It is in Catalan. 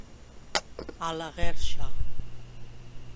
A la guerxa.